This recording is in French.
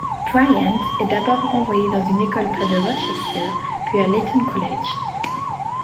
Bryant est d'abord envoyé dans une école près de Rochester, puis à l'Eton College.